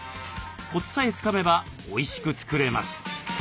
コツさえつかめばおいしく作れます。